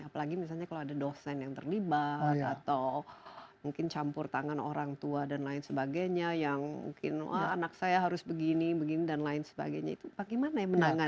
apalagi misalnya kalau ada dosen yang terlibat atau mungkin campur tangan orang tua dan lain sebagainya yang mungkin anak saya harus begini begini dan lain sebagainya itu bagaimana ya menangani